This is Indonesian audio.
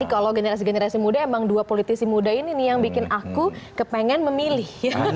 kalau generasi generasi muda emang dua politisi muda ini nih yang bikin aku kepengen memilih